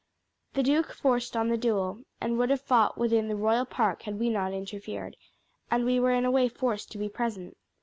The duke forced on the duel, and would have fought within the royal park had we not interfered, and we were in a way forced to be present.